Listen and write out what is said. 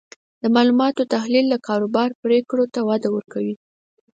د معلوماتو تحلیل د کاروبار پریکړو ته وده ورکوي.